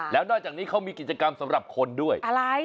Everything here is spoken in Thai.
แล้วนอกจากนี้เขามีกิจกรรมสำหรับคนด้วยอะไร